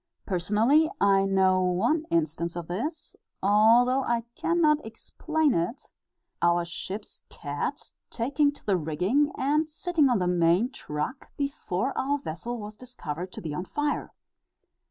Personally, I know one instance of this, although I cannot explain it, viz., our ship's cat taking to the rigging and sitting on the main truck before our vessel was discovered to be on fire.